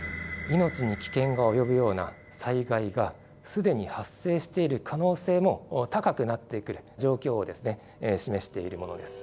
命に危険が及ぶような災害が既に発生している可能性も高くなってくる状況を示しているものです。